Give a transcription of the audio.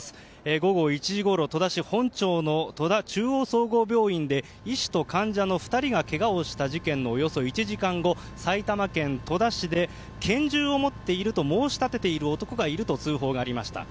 午後１時ごろ、戸田市本町の戸田中央総合病院で医師と患者の２人がけがをした事件のおよそ１時間後、埼玉県戸田市で拳銃を持っていると申し立てている男がいると通報がありました。